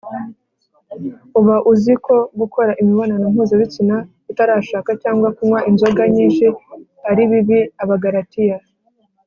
uba uzi ko gukora imibonano mpuzabitsina utarashaka cyangwa kunywa inzoga nyinshi ari bibi Abagalatiya